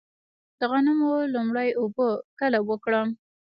د غنمو لومړۍ اوبه کله ورکړم؟